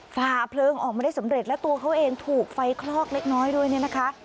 ผ่าเพลิงออกมาได้สำเร็จและตัวเขาเองถูกไฟคลอกเล็กน้อยด้วยเนี่ยนะคะ